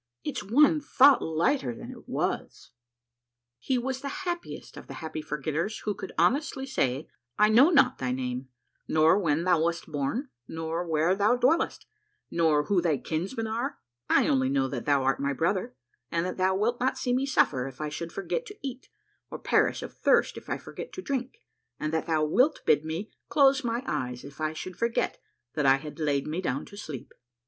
It's one thought lighter than it was !" He was the happiest of the Happy Forgetters who could honestly say, I know not thy name, nor when thou wast born, not where thou dwellest, nor who thy kinsmen are ; I only know that thou art my brother, and that thou wilt not see me suffer if I should forget to eat, or perish of thirst if I forget to drink, and that thou wilt bid me close my eyes if I should forget that I had laid me down to sleep.